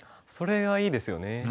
それがいいですよね。